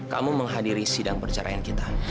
kamu menghadiri sidang perceraian kita